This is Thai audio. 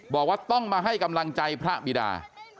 บอกว่าต้องมาให้กำลังใจพระบิดา